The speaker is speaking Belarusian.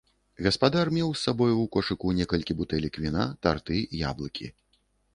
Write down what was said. Гаспадар меў з сабою ў кошыку некалькі бутэлек віна, тарты, яблыкі.